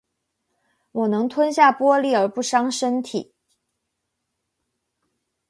我能吞下玻璃而不伤身体